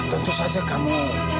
tentu saja kamu